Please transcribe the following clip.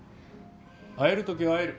会える時は会える。